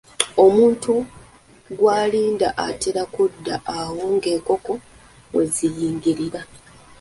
Omuntu gw'alinda atera kudda awo ng'enkoko we ziyingirira.